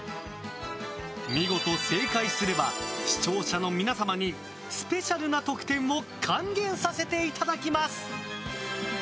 見事、正解すれば視聴者の皆様にスペシャルな特典を還元させていただきます。